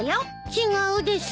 違うです。